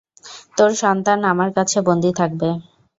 তোর সন্তান আমার কাছে বন্দি থাকবে!